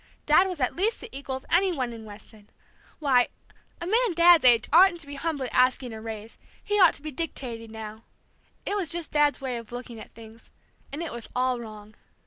Dad was at least the equal of any one in Weston! Why, a man Dad's age oughtn't to be humbly asking a raise, he ought to be dictating now. It was just Dad's way of looking at things, and it was all wrong.